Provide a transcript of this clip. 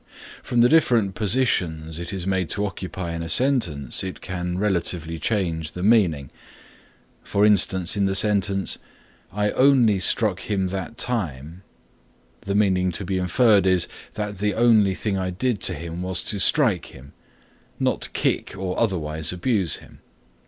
From the different positions it is made to occupy in a sentence it can relatively change the meaning. For instance in the sentence "I only struck him that time," the meaning to be inferred is, that the only thing I did to him was to strike him, not kick or otherwise abuse him.